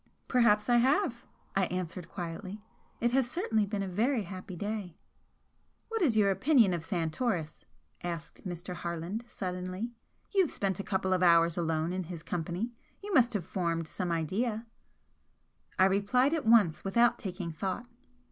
"Perhaps I have!" I answered quietly "It has certainly been a very happy day!" "What is your opinion of Santoris?" asked Mr. Harland, suddenly "You've spent a couple of hours alone in his company, you must have formed some idea." I replied at once, without taking thought.